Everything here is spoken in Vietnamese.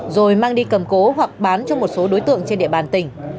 rồi mang đi cầm cố hoặc bán cho một số đối tượng trên địa bàn tỉnh